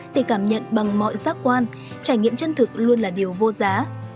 để cảm nhận bằng mọi giác quan trải nghiệm chân thực luôn là điều vô giá